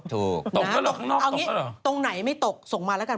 ถูกตกแล้วเหรอข้างนอกตกแล้วเหรอเอาอย่างนี้ตรงไหนไม่ตกส่งมาแล้วกัน